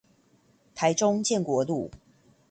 台中建國路